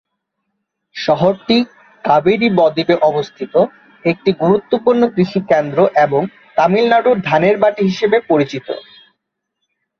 শহরটি কাবেরী বদ্বীপে অবস্থিত একটি গুরুত্বপূর্ণ কৃষি কেন্দ্র এবং তামিলনাড়ুর ধানের বাটি হিসাবে পরিচিত।